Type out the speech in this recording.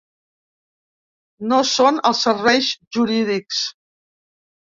No són els serveis jurídics.